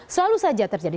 selalu saja terjadi